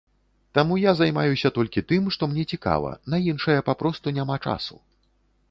Таму я займаюся толькі тым, што мне цікава, на іншае папросту няма часу.